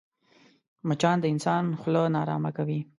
مچان د انسان خوله ناارامه کوي